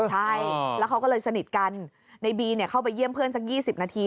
ใช่แล้วเขาก็เลยสนิทกันในบีเข้าไปเยี่ยมเพื่อนสัก๒๐นาที